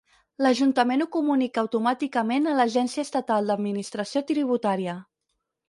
L'ajuntament ho comunica automàticament a l'Agència Estatal d'Administració Tributària.